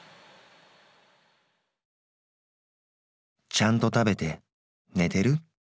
「ちゃんと食べて寝てる？